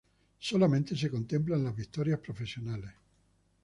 Solamente se contemplan las victorias profesionales.